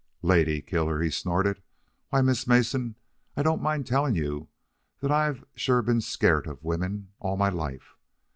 "Lady killer!" he snorted. "Why, Miss Mason, I don't mind telling you that I've sure been scairt of women all my life.